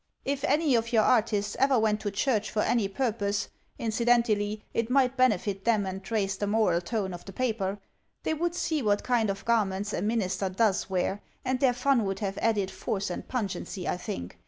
If any of your artists ever went to church for any purpose — ^inci dentally it might benefit them and raise the moral tone of the paper! — they would see what kind of garments a minister does wear, and their fun would have added force and pungency, I J;hink.